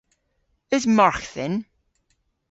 Eus margh dhyn?